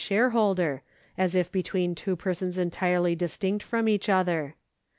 §114] PERSONS 283 shareholder, as if between two persons entirely distinct from each other.